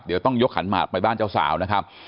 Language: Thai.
เดี๋ยวต้องยกขันหมากไปบ้านเจ้าสาวนะครับ